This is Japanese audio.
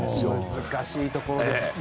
難しいところです。